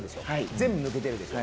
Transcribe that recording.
全部抜けているでしょ。